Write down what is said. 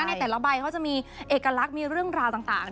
ในแต่ละใบเขาจะมีเอกลักษณ์มีเรื่องราวต่าง